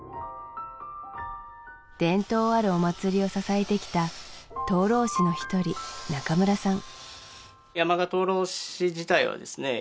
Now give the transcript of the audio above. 伝統あるお祭りを支えてきた灯籠師の一人中村さん